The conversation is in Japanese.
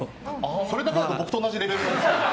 それだけだと僕と同じレベルなんですよ。